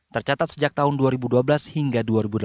tercatat sejak tahun dua ribu dua belas hingga dua ribu delapan belas